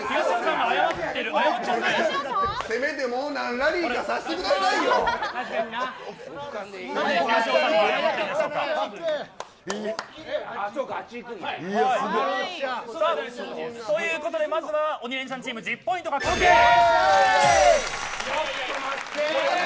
せめて、もう何ラリーかさせてください。ということでまずは鬼レンチャンチーム１０ポイント獲得です。